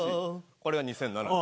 これが２００７年。